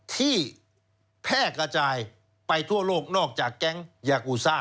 ที่แพร่กระจายไปทั่วโลกนอกจากแก๊งยากูซ่า